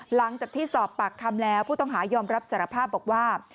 หลังจากที่สอบปากคำแล้วผู้ต้องหายอมรับสารภาพบอกว่า